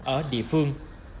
ở địa phương